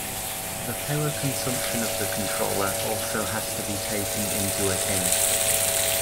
The power consumption of the controller also has to be taken into account.